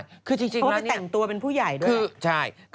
เพราะว่าไปแต่งตัวเป็นผู้ใหญ่ด้วย